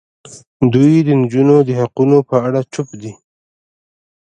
دوی د نجونو د حقونو په اړه چوپ دي.